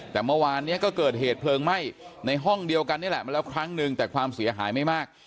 แต่เมื่อวานนี้ก็เกิดเหตุเพลิงไหม้ในห้องเดียวกันนี่แหละมาแล้วครั้งนึงแต่ความเสียหายไม่มาก